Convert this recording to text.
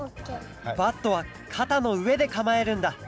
バットはかたのうえでかまえるんだ